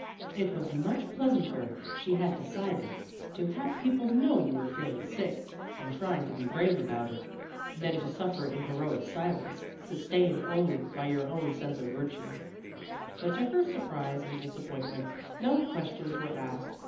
It was much pleasanter, she had decided, to have people know you were feeling sick, and trying to be brave about it, than to suffer in heroic silence, sustained only by your own sense of virtue. But, to her surprise and disappointment, no questions were asked.